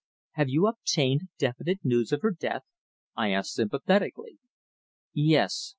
"Have you obtained definite news of her death?" I asked sympathetically. "Yes.